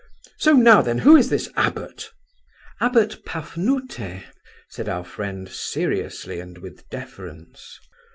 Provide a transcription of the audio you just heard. So, now then, who is this abbot?" "Abbot Pafnute," said our friend, seriously and with deference.